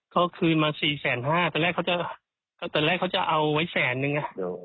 เขาคืนมา๔แสน๕แต่แรกเขาจะเอาไว้แสนนึง